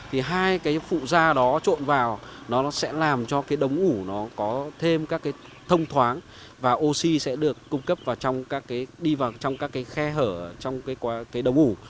hai phụ da đó trộn vào sẽ làm cho đống ủ có thêm các thông thoáng và oxy sẽ được cung cấp vào trong các khe hở trong đống ủ